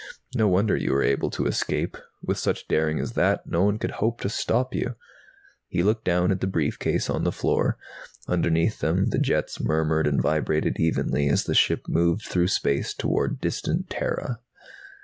No wonder you were able to escape. With such daring as that, no one could hope to stop you." He looked down at the briefcase on the floor. Underneath them the jets murmured and vibrated evenly, as the ship moved through space toward distant Terra.